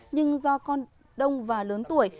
nhưng do con đông và lớn tuổi